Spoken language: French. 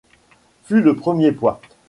Fut le premier poids.